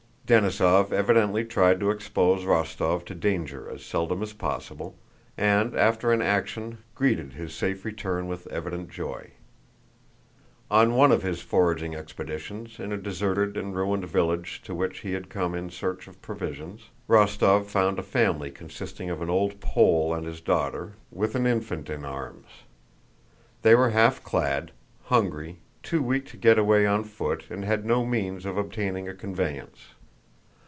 Denísov evidently tried to expose Rostóv to danger as seldom as possible, and after an action greeted his safe return with evident joy. On one of his foraging expeditions, in a deserted and ruined village to which he had come in search of provisions, Rostóv found a family consisting of an old Pole and his daughter with an infant in arms. They were half clad, hungry, too weak to get away on foot and had no means of obtaining a conveyance.